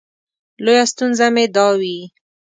لویه ستونزه مې دا وي.